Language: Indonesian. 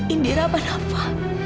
indira apa nafa